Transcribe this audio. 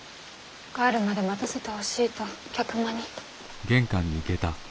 帰るまで待たせてほしいと客間に。